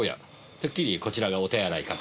てっきりこちらがお手洗いかと。